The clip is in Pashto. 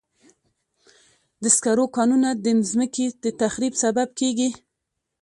د سکرو کانونه د مځکې د تخریب سبب کېږي.